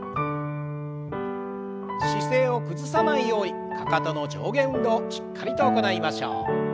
姿勢を崩さないようにかかとの上下運動しっかりと行いましょう。